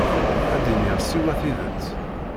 Ad d-iniɣ siwa tidet.